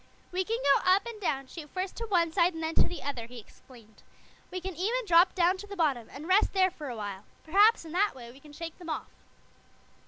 "We can go up and down, shoot first to one side and then to the other," he explained. "We can even drop down to the bottom and rest there for a while. Perhaps, in that way, we can shake them off."